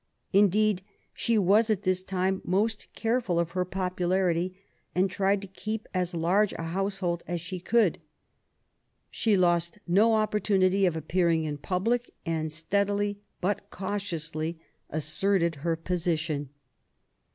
Indeed, she was at this time most careful of her popularity, 38 QUEEN ELIZABETH, and tried to keep as large a household as she could. She lost no opportunity of appearing in public, and steadily, but cautiously, asserted her position.